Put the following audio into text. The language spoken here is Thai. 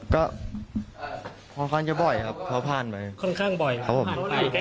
ก็ค่อนข้างจะบ่อยครับเพราะผ่านไป